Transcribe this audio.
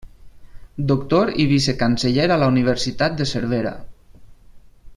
Doctor i Vicecanceller a la Universitat de Cervera.